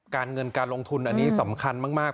การเงินการลงทุนอันนี้สำคัญมาก